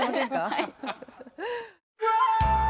はい。